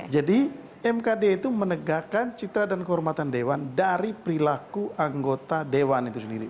jadi mnpb itu menegakkan citra dan kehormatan dewan dari perilaku anggota dewan itu sendiri